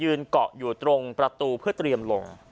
เกาะอยู่ตรงประตูเพื่อเตรียมลง